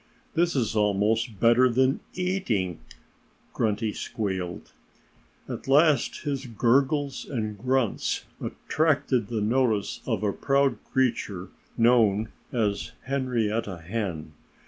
"This is almost better than eating," Grunty squealed. At last his gurgles and grunts attracted the notice of a proud creature known as Henrietta Hen.